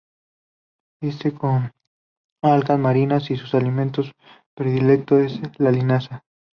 Viste con algas marinas y su alimento predilecto es la linaza.